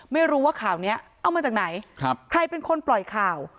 ไม่รู้ว่าข่าวนี้เอามาจากไหนใครเป็นคนปล่อยข่าว